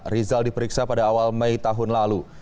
rizal diperiksa pada awal mei tahun lalu